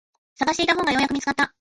探していた本がようやく見つかった。